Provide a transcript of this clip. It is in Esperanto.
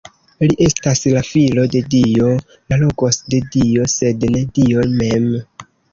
Li estas la Filo de Dio, la "Logos" de Dio, sed ne Dio mem.